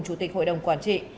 chủ tịch hội đồng quản trị